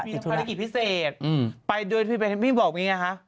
มีภารกิจพิเศษไปเดินไปพี่บอกแบบนี้ไง